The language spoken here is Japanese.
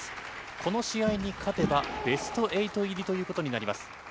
この試合に勝てば、ベスト８入りということになります。